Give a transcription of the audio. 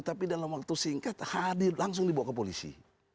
tapi dalam waktu singkat hadir langsung dibawa ke polisi